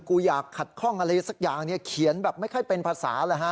กูอยากขัดข้องอะไรสักอย่างเนี่ยเขียนแบบไม่ค่อยเป็นภาษาเลยฮะ